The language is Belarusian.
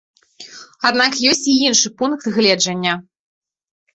Аднак ёсць і іншы пункт гледжання.